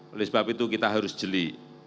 oleh sebab itu kita harus jeli